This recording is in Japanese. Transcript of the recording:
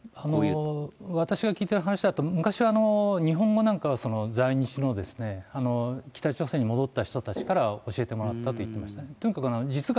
私が聞いた話だと、昔は日本語なんかは、在日の北朝鮮に戻った人たちから教えてもらったと言ってましたね。